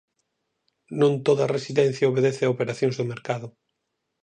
Non toda residencia obedece a operacións de mercado.